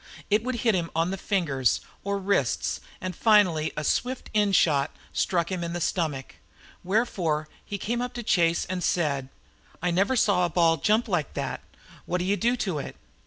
It would hit him on the fingers or wrists, and finally a swift in shoot struck him in the stomach. Wherefore he came up to Chase and said: "I never saw a ball jump like that. What'd you do to it?"